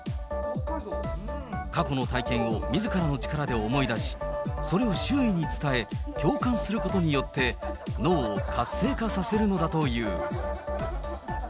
過去の体験をみずからの力で思い出し、それを周囲に伝え、共感することによって、脳を活性化させるのだという。